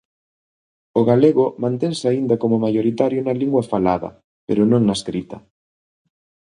O galego mantense aínda como maioritario na lingua falada pero non na escrita.